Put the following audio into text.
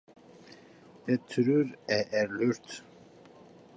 Det trur eg er lurt.